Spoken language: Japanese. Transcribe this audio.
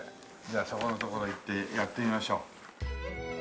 じゃあそこの所行ってやってみましょう。